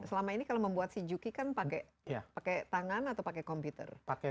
selama ini kalau membuat si juki kan pakai tangan atau pakai komputer